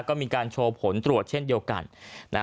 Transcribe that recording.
ก็มีการโชว์ผลตรวจเช่นเดียวกัน